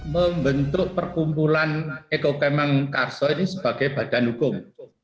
membentuk perkumpulan eko camp mangunkarsa ini sebagai badan hukum